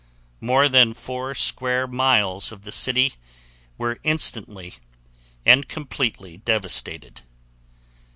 More than 4 square miles of the city were instantly and completely devastated.